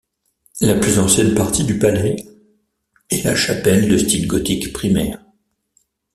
La plus ancienne partie du palais est la chapelle de style gothique primaire.